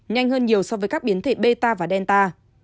nhanh hơn nhiều so với các biến thể beta và delta